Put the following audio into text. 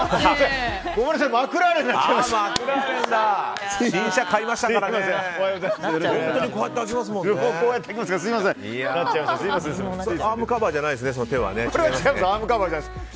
これはアームカバーじゃないです。